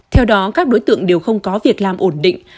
theo đó các đối tượng đều không có việc làm ổn định